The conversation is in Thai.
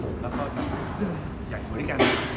มีโมเมนต์ความอยาก